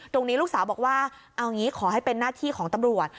ตรงนี้ลูกสาวบอกว่าเอาอย่างงี้ขอให้เป็นหน้าที่ของตำรวจ